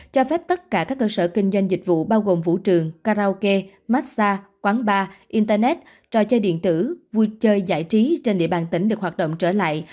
cho phép tất cả các cơ sở kinh doanh dịch vụ bao gồm vũ trường karaoke massage quán bar internet trò chơi điện tử vui chơi giải trí trên địa bàn tỉnh được hoạt động trở lại